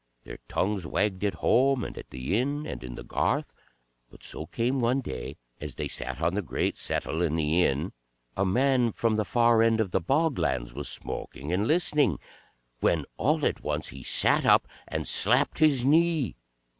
their tongues wagged at home, and at the inn, and in the garth. But so came one day, as they sat on the great settle in the Inn, a man from the far end of the bog lands was smoking and listening, when all at once he sat up and slapped his knee.